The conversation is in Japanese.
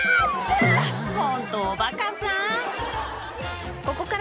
ホントおバカさん